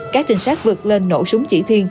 các trinh sát vượt lên nổ súng chỉ thiên